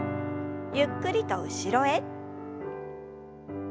ゆっくりと後ろへ。